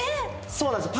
そうなんですよ。